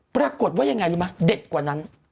ปรากฏว่ายังไงรู้ไหมเด็ดกว่านั้น